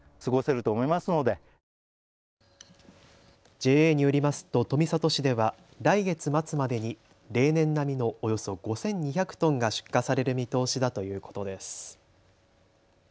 ＪＡによりますと富里市では来月末までに例年並みのおよそ５２００トンが出荷される見通しだということです。